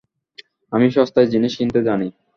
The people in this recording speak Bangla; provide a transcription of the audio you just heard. আমি সস্তায় জিনিস কিনতে জানি।